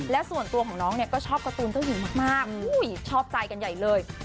และส่วนตัวของน้องเนี่ยก็ชอบการ์ตูนเจ้าหญิงมากชอบใจกันใหญ่เลย